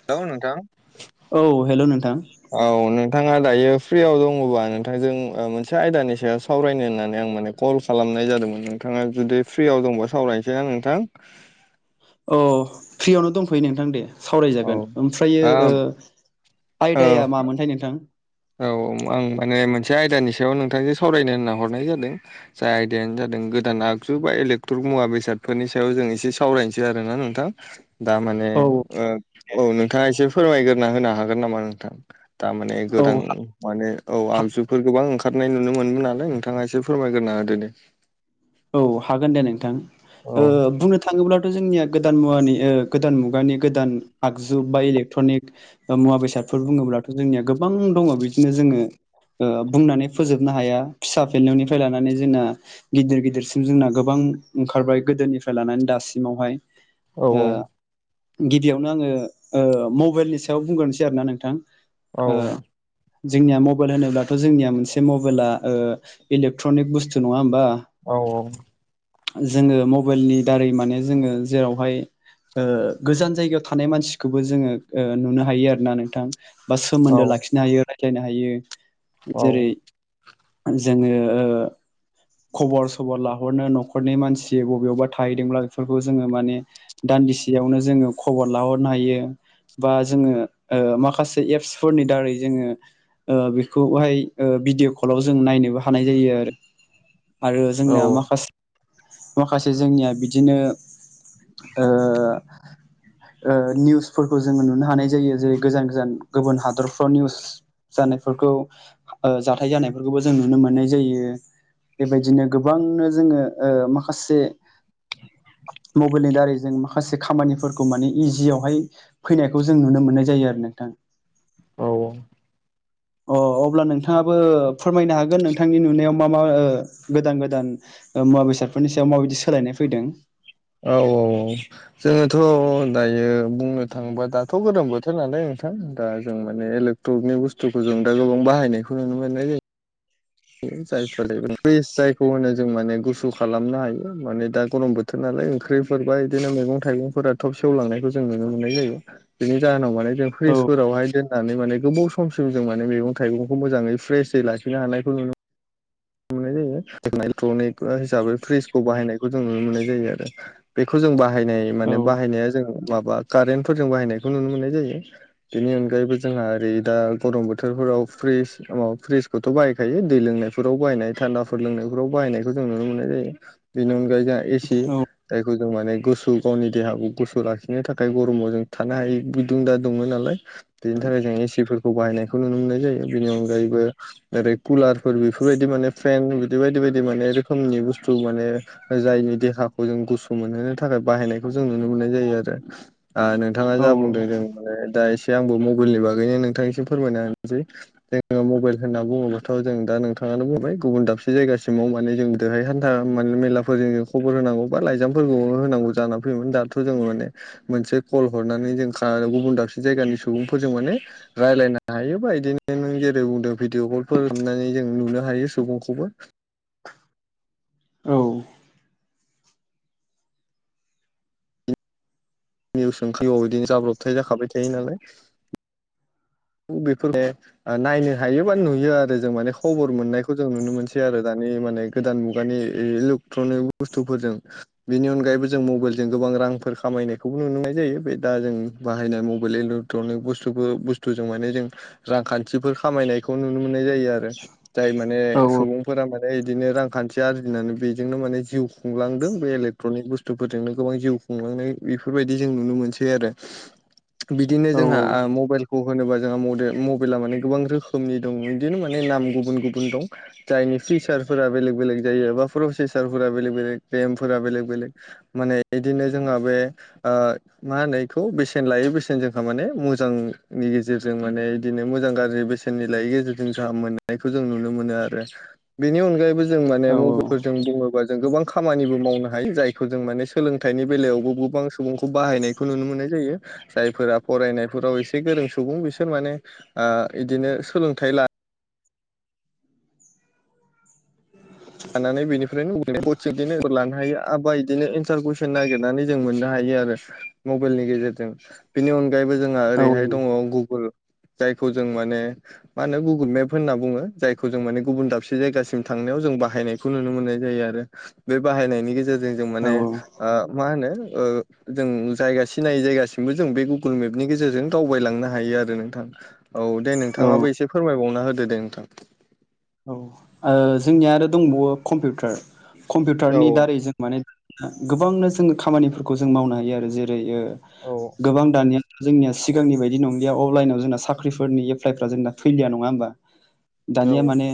[unintelligible] नोंथां औ हेल' नोंथां औ नोंथाङा दायो फ्रियाव दङबा नोंथांजों ओ मोनसे आयदानि सायाव सावरायनो होननानै आं माने कल खालामनाय जादोंमोन नोंथाङा जुदि फ्रियाव दंबा सावरायनोसैना नोंथां अ फ्रियावनो दंफैयो नोंथां दे औ सावरायजागोन ओमफ्रायो ओ ओम ओं आयदाया मामोनथाय नोंथां औ आं माने मोनसे आयदानि सायाव नोंथांजों सावरायनो होनना हरनाय जादो जाय आयदायानो जादों गोदान आगजु बा इलेक्टरक मुवा बेसादफोरनि सायाव जों एसे सावरायनोसै निसै आरोना नोंथां दा माने औ ओ औ नोंथाङा एसे फोरमायगोरना होनो हागोन नामा नोंथां दामाने औ गोदान माने औ आगजुफोर गोबां ओंखारनाय नुनो मोनो नालाय नोंथाङा एसे फोरमायगोरना होदो दे औ हागोन दे नोंथां औ ओ बुंनो थां थाङोब्लाथ' जोंनिया गोदान मुवानि ओ गोदान मुगानि गोदान आगजु बा इलेकट्रनिक ओ मुवा बेसादफोर बुङोब्लाथ' जोंनिया गोबां दङ बिदिनो जोङो ओ बुंनानै फोजोबनो हाया फिसा फिनलौनिफ्राय लानानै जोंना गिदिर गिदिर सिम जोंना गोबां ओंखारबाय गोदोनिफ्राय लानानै दासिमावहाय औ ओ गिबियावनो आङो ओ मबाइलनि सायाव बुंग्रोनोसै आरोना नोंथां औ ओ जोंनिया मबेल होनोब्लाथ' जोंनिया मोनसे मबेला ओ इलेकट्रनिक बुस्थु नङा होमबा औ औ जोङो मबाइलनि दारै माने जोङो जेरावहाय ओ गोजान जायगायाव थानाय मानसिखौबो जोङो ओ नुनो हायो आरो ना नोंथां बा औ सोमोन्दो लाखिनो हायो रायज्लायनो हायो औ जेरै जोङो ओ खबर स सबर लाहरनो न'खरनि मानसि बबेयावबा थाहैदोंब्ला बेफोरखौ जोङो माने दान्दिसेयावनो जोङो खबर लाहरनो हायो बा जोङो ओ माखासे एप्सफोरनि दारै जोङो ओ बिखौहाय भिडिअ कलाव जों नायनोबो हानाय जायो आरो [inaudible] जोंनिया माखास माखासे जोंनिया बिदिनो ओ ओ निउसफोरखौ जोङो नुनो हानाय जायो जेरै गोजान गोजान गोबोन हादरफ्राव निउस जानायफोरखौ ओ जाथाय जानायफोरखौबो जों नुनो मोननाय जायो बेबायदिनो गोबांनो जोङो ओ माखासे मबाइलनि दारै जों माखासे खामानिफोरखौ माने इजियावहाय फैनायखौ जों नुनो मोननाय जायो आरो नोंथां औ औ अ अब्ला नोंथाङाबो फोरमायनो हागोन नोंथांनि नुनायाव मा मा ओ गोदान गोदान ओ मुवा बेसादफोरनि सायाव माबायदि सोलायनाय फैदों ओ औ औ जोङोथ' दायो बुंनो थाङोबा दाथ' गोदान बोथोर नालाय नोंथां दा जों माने लोग टकनि बुस्थुजों दा गोबां बाहायनायखौ नुनो मोननाय जायो। जायफोर प्रिस जायखौ होनो जों माने गुसु खालामनो हायो माने दा गरम बोथ थोर नालाय ओंख्रिफोरबा इदिनो मैगं थाइगंफोरा थब सेवलांनायखौ जों नुनो मोन्नाय जायो। बिनि जाहोनाव माने जों औ फ्रिजफोरावहाय दोननानै माने गोबाव समसिम जों माने मैगं थाइगंखौ मोजाङै फ्रेसयै लाखिनो हानाय खौ नुनो मोननाय जायो इलेक्ट्रनिक हिसाबै फ्रिजखौ बाहायनायखौ जों नुनो मोननाय जायो आरो बेखौ जों बाहायनाय औ माने बाहायनाया जों माबा कारेन्टफोरजों बाहायनायखौ नुनो मोननाय जायो। बेनि अनगायैबो जोंहा ओरै दा गरम बोथोरफोराव फ्रिज माबा फ्रिजखौथ' बाहायखायो दै लोंनाय फोराव बाहायनाय थान्दाफोर लोंनायफोराव बाहायनायखौ जों नुनो मोननाय जायो बेनि अनगायै जोंहा एसि औ जायखौ जों माने गुसु गावनि देहाखौ गुसु लाखिनो थाखाय गरमाव जों थानो हायै बिदुं दा दुङो नालाय बेनि थाखाय जों एसिफोरखौ बाहायनायखौ नुनो मोननाय जायो बेनि अनगायैबो जेरै कुलार फोर बेफोर इफोरबायदि माने फेन बिदि बायदि बायदि माने रोखोमनि बुस्थु माने जायनि देहाखौ जों गुसु मोनहोनो थाखाय बाहायनायखौ जों नुनो मोननाय जायो आरो आ नोंथाङा औ जा बुंदों जों मालाय दा एसे आंबो मबाइलनि बागैनो नोंथां एसे फोरमायना होनोसै जोङो मबेल होन्ना बुङोब्लााथ' जों दा नोंथां थाङानो बुंबाय गुबुन दाबसे जायगासिमाव माने जों दाहाय हान्था माने मेलाफोरजों खबर होनांगौ बा लाइजामफोरखौबो होनांगौ जानानै फैयोमोन दाथ' जोङो माने मोनसे कल हरनानै जों खा गुबुन दाबसे जायगानि सुबुंफोरजों माने रायलायनो हायोबा इदिनो नों जेरै बुंदों भिडअ कलफोर हरनानै जों नुनो हायो सुबुंखौबो औ निउस [unintelligible] बिदिनो जाब्रबथाय जाखाबाय थायो नालाय बेफोर दे नायनो हायोबा नुयो आरो जों माने खबर मोननाय खौ जों नुनो मोनसै आरो दानि माने गोदान मुगानि इलेकट्रनिक बुस्थुफोरजों बेनि अनगायैबो जों मबाइलजों गोबां रांफोर खामायनायखौबो नुनो मोननाय जायो बे दा जों बाहायनाय मबाइल इद्रद ट्रनिक बुसतुफोर बुसतु जों रांखान्थिफोर खामायनाय खौ नुनो मोननाय जायो आरो जाय माने औ औ सुबुंफोरा माने ओमफ्राय बिदिनो रांखान्थि आरजिनानै बेजोंनो माने जिउ खुंलांदों बे इलेक्ट्रनिक बुस्थुफोरजोंनो गोबां जिउ खुंलांनाय इफोरबादि जों नुनो मोनसै आरो बिदिनो औ जोंहा आ मबाइल होनोबा जोंहा मदे मबाइला माने गोबां रोखोमनि दं बिदिनो माने नाम गुबुन गुबुन दं जायनि फिसारफोरा बेलेग बेलेग जायो बा प्रसेसारफोरा बेलेग बेलेग रेमफोरा बेलेग बेलेग माने इदिनो जोंहा बे ओ मा होनो इखौ बेसेन लायै बेसेन जोंहा माने मोजां नि गेजेरजों माने बिदिनो मोजां गाज्रि बेसेननि लायैनि गेजेरजों जों मोननायखौ जों नुनो मोनो आरो बेनि अनगायैबो जों माने मबाइफोरजों बुङोबा जों गोबां खामानिबो मावनो हायो जायखौ जों माने सोलोंथाइनि बेलायावबो गोबां सुबुंखौ बाहायनायखौ नुनो मोननाय जायो जायफोरा फरायनायफोराव एसे बे गोरों सुबुं बिसोर माने आ बिदिनो सोलोंथाइ ला [inaudible] लानानै बेनिफ्रायनो कसिं बिदिनो लानो हायो एबा बिदिनो एन्सार कुइसन नागिरनानै जों मोननो हायो आरो मबाइलनि गेजेरजों बेनि अनगायैबो जोंहा ओरैहाय दङ गुगोल जायखौ जों माने मा होनो गुगोल मेप होनना बुङो जायखौ जों माने गुबुन दाबसे जायगासिम थांनायाव जों बाह हायनायखौ नुनो मोननाय जायो आरो बे बाहायनायनि गेजेरजों जों माने औ औ आ मा होनो ओ जों जायगा सिनायि जायगासिमबो जों बे गुगोल मेपनि गेजेरजों दावबायलांनो हायो आरो नोंथां। औ दे नोंथाङाबो एसे फोरमायबावना होदो दे नोंथां। औ ओ जोंनिया आरो दंबावो कम्पिउटार औ कम्पिउटारनि दारै जों माने बिदिनो गोबांनो जोङो खामानिफोरखौ जों मावनो हायो आरो जेरै ओ औ गोबां दानिया जोंनिया सिगांनि बायदि नंलिया अनलाइनाव जोंना साख्रिफोरनि एप्लाइफ्रा जोंना फैलिया नङा होमबा। दानिया औ माने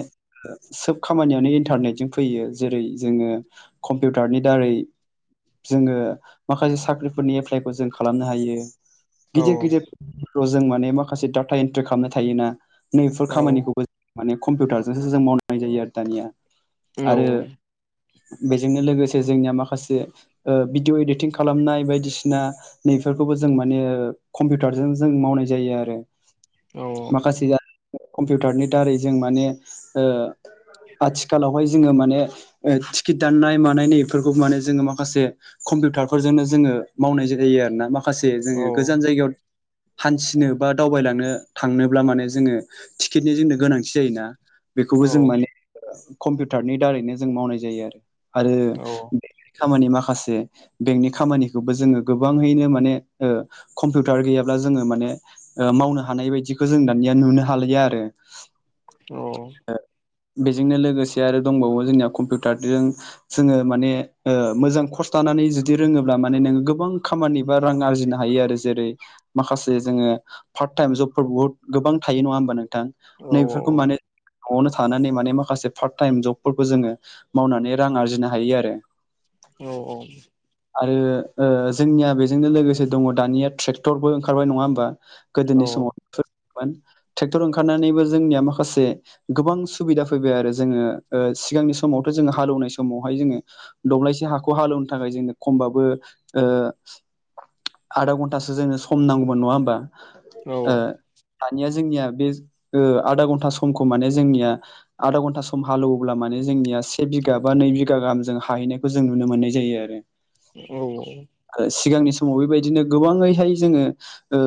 सोब खामानियानो इन्टारनेटजों फैयो जेरै जोङो कम्पिउटारनि दारै जोङो माखासे साख्रिफोरनि एप्लाइखौ जों खालामनो हायो। गिदिर औ गिदिर प्र जों माने माखासे डाटा एन्ट्रि खामनो थायोना। नैफोर औ खामानिखौबो माने कम्पिउटारजोंसो जों मावनाय जायो आरो दानिया। आरो बेजोंनो लोगोसे जोंनिया माखासे ओ भिडिअ एडिटिं खालामनाय बायदिसिना नैफोरखौबो जों माने कम्पिउटारजों जों मावनाय जायो आरो। औ माखासेया कम्पिउटारनि दारै जों माने ओ आथिखालावहाय जोङो माने ओ टिकेट दाननाय मानाय नै बेफोरखौ माने जोङो माखासे कम्पिउटारफोरजोंनो जोङो मावनाय जायो आरोना माखासे जोङो गोजान जायगायाव हान्थिनो बा दावबायलांनो थांनोब्ला माने जोङो टिकेटनि जोंनो गोनांथि जायोना औ बेखौबो जों माने ओ कम्पिउटारनि दारैनो जों मावनाय जायोआरो आरो खामानि माखासे बेंकनि खामानिखौबो जोङो गोबाङैनो माने ओ कम्पिउटार गैयाब्ला जोङो माने ओ मावनो हानाय बायदिखौ जों दानिया नुनो हालिया आरो। औ। ओ बेजोंनो लोगोसे आरो दंबावो जोंनिया कम्पिउटारजों जोङो माने मोजां ओ खर्स दानानै जुदि रोङोब्ला माने नोङो गोबां खामानि बा रां आरजिनो हायो आरो जेरै माखासे जोङो पार्ट टाइम जबफोर बहुत गोबां थायो नङा होमबा नों थां नैफोरखौ माने औ न'आवनो थानानै माने माखासे पार्ट टाइम जबफोरखौ जोङो मावनानै रां आरजिनो हायो आरो। औ औ। आरो ओ जोंनिया बेजोंनो लोगोसे दङ दानिया ट्रेक्टरबो ओंखारबाय नङा होमबा गोदोनि समाव फोरोङोमोन ट्रेक्टर ओंखारनानैबो जोंनिया माखासे गोबां सुबिदा फैबाय आरो जोङो ओ सिगांनि समावथ' जोङो हालेवनाय समावहाय जोङो दब्लायसे हाखौ हालेवनो थाखाय जोङो खमबाबो ओ आधा घन्टासो जोंनो सम नांगौमोन नङा होमबा ओ औ दानिया जोंनिया बे ओ आधा घन्टा समखौ माने जोंनिया आधा घन्टा सम हालेवोब्ला माने जोंनिया से बिघा बा नै बिघा गाहाम जों हाहैनाय खौ जों नुनो मोननाय जायो आरो। औ औ। आरो सिगांनि समाव बेबायदिनो गोबाङैहाय जोङो ओ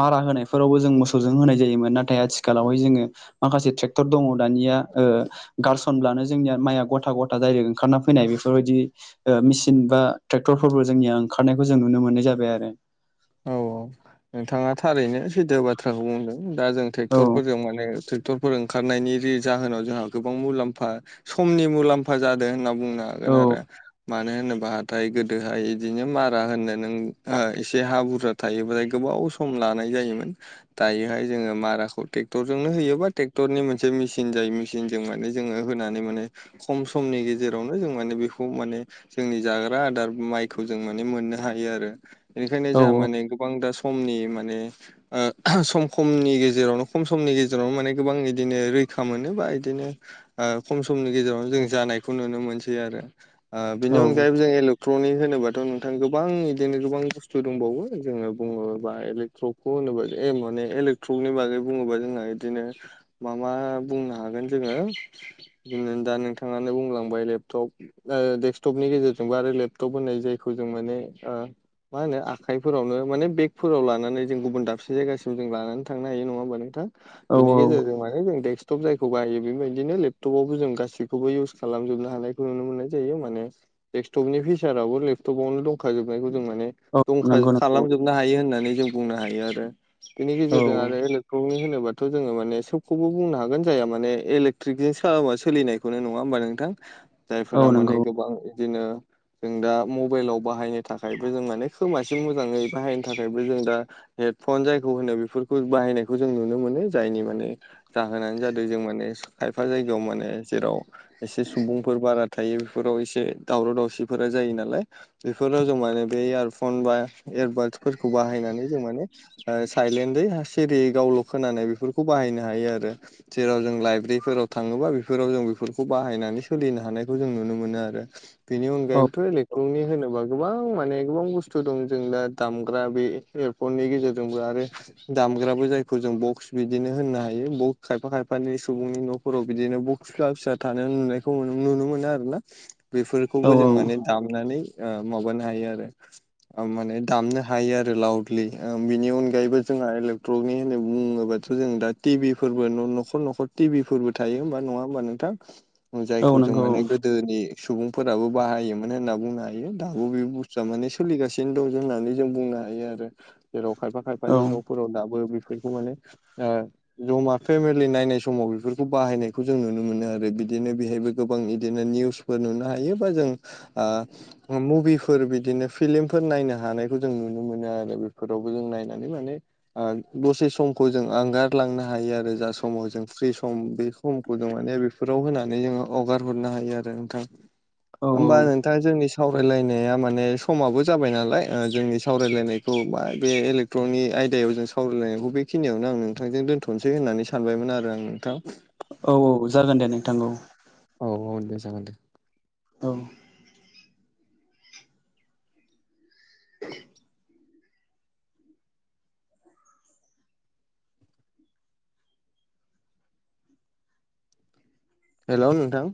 मारा होनायफोरावबो जों मोसौजों होनाय जायोमोन नाथाय आथिखालावहाय जोङो माखासे ट्रेक्टर दङ दानिया ओ गारसनब्लानो जोंनिया माइया गथा गथा डायरेक्ट ओंखारना फैनाय बेफोरबायदि ओ मेसिन बा ट्रेक्टर फोरबो जोंनिया ओंखारनायखौ जों नुनो मोननाय जाबाय आरो औ औ नोंथाङा थारैनो सैथो बाथ्राखौ बुंदों दा जों औ ट्रेक्ट'रफोरजों माने ट्रे क्टरफोर ओंखारनायनि रि जाहोनाव जोंहा गोबां मुलाम्फा समनि मुलाम्फा जादों होनना बुंनो औ हागोन आरो मानो होनोबाहाथाय गोदोहाय इदिनो मारा होनोनों हो एसे देहा बुरजा थायोब्लाथाय गोबाव सम लानाय जायोमोन। दायोहाय जोङो माराखौ ट्रेक्टरजोंनो होयोबा ट्रेक्टर नि मोनसे मेसिन जायो मसिन मेसिनजों माने जोङो होनानै माने खम समनि गेजेरावनो जों माने बेखौ माने जोंनि जाग्रा आदार माइखौ जों माने मोननो हायो आरो बेनिखायनो औ जोंहा माने गोबां दा सम समनि माने ओ सम सममनि गेजेरावनो खम समनि गेजेरावनो माने गोबां बिदिनो रैखा मोनो बा बिदिनो ओ खम समनि गेजेराव जों जानायखौ नुनो मोनसै आरो ओ बेनि औ अनगायै जों इलेक्ट्रनिक होनोबाथ' नोंथां गोबां बिदिनो गोबां थु दंबावो जोङो बुङोबालेक्ट्रकखौ होनोबा ए माने इलेक्ट्रकनि बागै बुङोबा जोंहा बिदिनो मा मा बुंनो हागोन जोङो बिदि दा नोंथाङानो बुंलांबाय लेपटप ओ डेक्सटपनि गेजेरजोंबो आरो लेपटप होननाय जायखौ जों माने ओ मा होनो आखाइफोरावनो माने बेगफोराव लानानै जों गुबुन दाबसे जायगासिम जों लानानै थांनो हायो नङा होमबा नोंथां। औ बेनि औ गेजेरजों माने जों डेक्सटप जायखौ बायो बेबायदिनो लेपटपावबो जों गासैखौबो इउस खालामजोबनो हानाय नुनो मोननाय जायो माने डेक्सटप नि फिसाराबो लेपटपावनो दंखाजोबनायखौ जों माने औ दंखा नंगौ नंगौ खालामजोबनो हायो होननानै जों बुंनो हायो आरो बेनि औ गेजेरजों आरो खौनि होनोबाथ' जोङो माने सबखौबो बुंनो हागोन जायाहा माने इलेक्ट्रिकजोंसा सोलिनायखौनो नङा होमबा नोंथां। औ जायफोरा माने नंगौ गोबां बिदिनो जों दा मबाइलाव बाहायनो थाखायबो जों माने खोमासिम मोजाङै बाहायनो थाखायबो जों दा हेडफन जायखौ होनो बेफोरखौ बाहायनायखौ जों नुनो मोनो जायनि माने जाहोनानै जादों जों माने स खायफा जायगायाव माने जेराव एसे सुबुंफोर बारा थायो बेफोराव एसे दावराव दावसिफोरा जायो नालाय बेफोराव जों माने बे इयारफन बा एयारबादसफोरखौ बाहायनानै जों माने साइलेन्टै सिरिय गावल' खोनानाय बेफोरखौ बाहायनो हायो आरो जेराव जों लाइब्रेरिफोराव थाङोबा बेफोराव जों बेफोरखौ बाहायनानै सोलिनो हानायखौ जों नुनो मोनो आरो बेनि औ अनगायैथ' इलेक्ट्रनिकनि होनोबा गोबां माने गोबां बुस्थु बस्थु दं जों द दामग्रा बे एयारफननि गेजेरजोंबो आरो दामग्राबो जायखौ जों बक्स बिदिनो होननो हायो ब खायफा खायफानि सुबुंनि न' फोराव बिदिनो बख्ला फिसा थानो नुनायखौ नुनो मोनो आरो ना। औ बेफोरखौबो जों माने दामनानै ओ माबानो हायो आरो माने दामनो हायो आरो लाउदलि बिनि अनगायैबो जोंहा इलेक्ट्रकनि होननानै बुङोबा थ' जों दा टिभिफोरबो न'खर न'खर टिभिफोरबो थायो होमबा नङा होमबा नोंथां। औ जायखौ जों नंगौ माने गोदोनि सुबुंफोराबो बाहायोमोन होनना बुंनो हायो दाबो बे बुस्थुआ माने सोलिगासिनो दं जोंना होननानै जों बुंनो हायो आरो जेराव खायफा औ खायफानि न' फोराव दाबो बेफोरखौ माने ओ जमा फेमिलि नायनाय समाव बेफोरखौ बाहायनायखौ जों नुनो मोनो आरो बिदिनो बेहायबो गोबां बिदिनो निउस नुनो हायो बा जों ओ मुभिफोर बिदिनो फिलिमफोर नायनो हानायखौ जों नुनो मोनो आरो बेफोरावबो जों नायनानै माने ओ दसे समखौ जों आंगारलांनो हायो आरो जा समाव जों फ्रि सम बे सम गुद माने बेफोराव होनानै जोङो हगार हरनो हायो आरो नोंथां। औ होमबा नोंथाङा जोंनि सावरायलायनाया माने समाबो जाबाय नालाय ओ जोंनि सावरायलायनायखौ बा बे इलेक्ट्रनिक आयदायाव जों सावरायलायनायखौ बे खिनियावनो आं नोंथांजों दोनथ'नोसै होननानै सानबायमोन आरो आं नोंथां। औ औ जागोन दे नोंथां औ। औ औ दे जागोन दो औ हेल नोंथां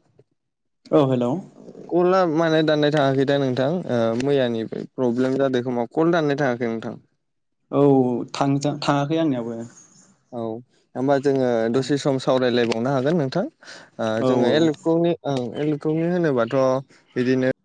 औ हेल' कलआ माने दाननाय थाङाखै दा नोंथां मैयानिफ्राय प्रब्लेम जादों खोमा कल दाननाय थाङाखै नोंथां औ औ थां थाङाखै आंनियावबो औ हबा जोङो दसे सम सावरायलायबावनो हागोन नोंथां औ जोङो औ एलेक्ट्रक ओं एलकनि होनोबाथ' बिदिनो